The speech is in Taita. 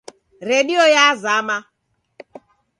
Redio yazama.